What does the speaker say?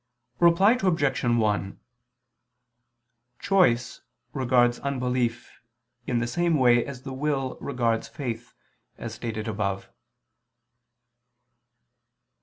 Reply Obj. 1: Choice regards unbelief in the same way as the will regards faith, as stated above.